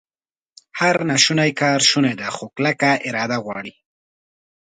هر ناشونی کار شونی دی، خو کلکه اراده غواړي